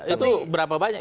itu berapa banyak